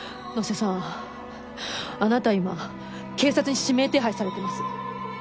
野瀬さんあなた今警察に指名手配されてます。